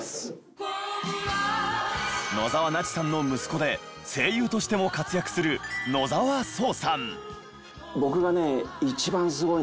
野沢那智さんの息子で声優としても活躍する野沢聡さん。